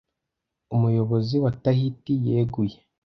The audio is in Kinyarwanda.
Umuyobozi wa Tahiti yeguye